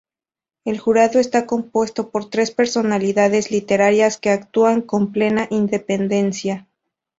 El jurado está compuesto por tres personalidades literarias, que actúan con plena independencia.